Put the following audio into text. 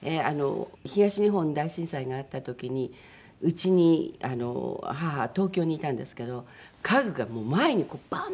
東日本大震災があった時に家に母は東京にいたんですけど家具が前にバン！